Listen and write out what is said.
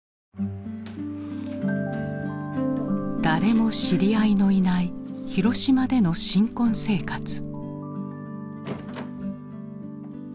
誰も知り合いのいない広島での新婚生活。